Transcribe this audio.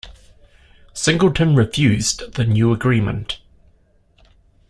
Singleton refused the new agreement.